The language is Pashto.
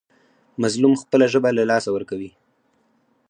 مظلوم خپله ژبه له لاسه ورکوي.